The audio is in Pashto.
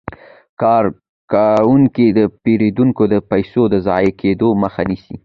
کارکوونکي د پیرودونکو د پيسو د ضایع کیدو مخه نیسي.